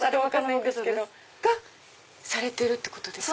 がされてるってことですか？